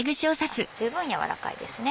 十分軟らかいですね。